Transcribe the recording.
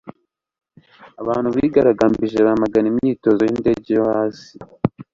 abantu bigaragambije bamagana imyitozo yindege yo hasi